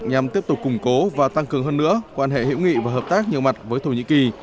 nhằm tiếp tục củng cố và tăng cường hơn nữa quan hệ hữu nghị và hợp tác nhiều mặt với thổ nhĩ kỳ